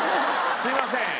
すみません。